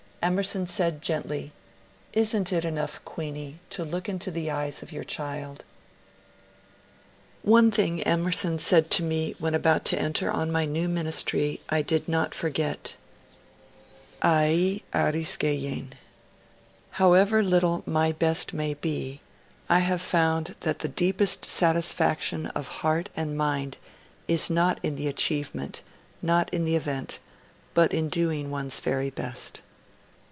Emerson said gently, ^^ Is n't it enough, Queeny, to look into the eyes of your child ?" One thing Emerson said to me when about to enter on my new ministry I did not forget —^ dptoTcvctv. However little my best may be, I have found that the deepest satisfaction of heart and mind is not in the achievement, not in the event, but in doing one's very best.